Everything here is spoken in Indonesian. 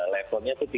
levelnya tuh tiga ratus